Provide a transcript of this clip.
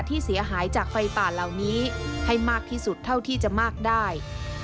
ที่เสียหายจากไฟป่าเหล่านี้ให้มากที่สุดเท่าที่จะมากได้